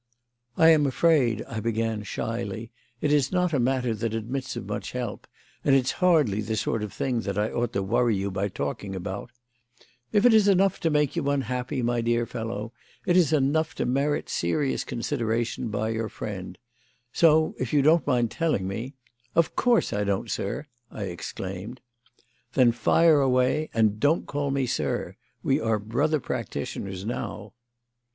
"I am afraid," I began shyly, "it is not a matter that admits of much help, and it's hardly the sort of thing that I ought to worry you by talking about " "If it is enough to make you unhappy, my dear fellow, it is enough to merit serious consideration by your friend; so, if you don't mind telling me " "Of course I don't, sir!" I exclaimed. "Then fire away; and don't call me 'sir.' We are brother practitioners now."